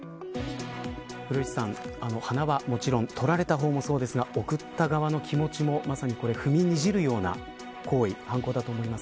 古市さん、花はもちろん取られた方もそうですが贈った側の気持ちも踏みにじるような行為犯行だと思います。